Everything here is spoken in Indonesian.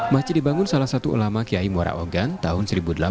masjid dibangun salah satu ulama kiai muara ogan tahun seribu delapan ratus